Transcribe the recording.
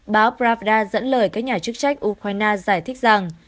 báo bra dẫn lời các nhà chức trách ukraine giải thích rằng